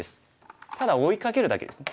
ただ追いかけるだけですね。